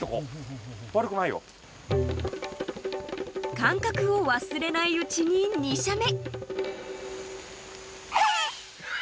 ［感覚を忘れないうちに２射目］